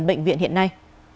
bệnh viện hiện nay